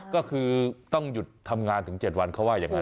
ก็คือต้องหยุดทำงานถึง๗วันเขาว่าอย่างนั้น